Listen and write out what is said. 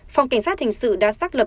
phòng cảnh sát hình sự đã xác lập